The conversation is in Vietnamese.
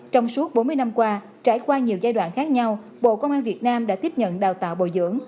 trong suốt bốn mươi năm qua trải qua nhiều giai đoạn khác nhau bộ công an việt nam đã tiếp nhận đào tạo bồi dưỡng